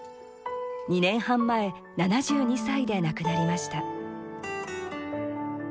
２年半前７２歳で亡くなりました。